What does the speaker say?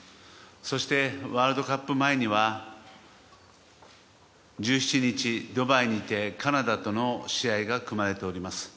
そして、ワールドカップ前には１７日、ドバイにてカナダとの試合が組まれております。